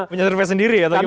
punya surfei sendiri atau gimana